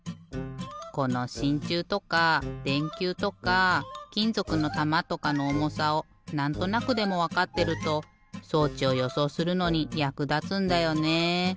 このしんちゅうとかでんきゅうとかきんぞくのたまとかのおもさをなんとなくでもわかってるとそうちをよそうするのにやくだつんだよね。